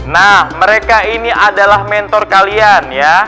nah mereka ini adalah mentor kalian ya